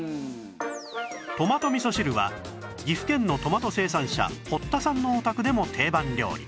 トマト味噌汁は岐阜県のトマト生産者堀田さんのお宅でも定番料理